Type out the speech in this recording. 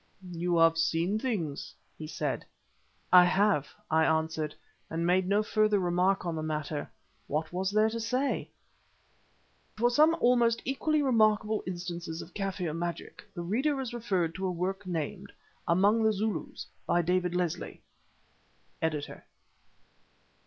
"You have seen things," he said. "I have," I answered, and made no further remark on the matter. What was there to say?[*] "Do you know the path to the cave?" I added. [*] For some almost equally remarkable instances of Kaffir magic the reader is referred to a work named "Among the Zulus," by David Leslie.—Editor.